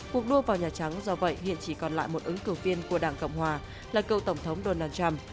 cuộc đua vào nhà trắng do vậy hiện chỉ còn lại một ứng cử viên của đảng cộng hòa là cựu tổng thống donald trump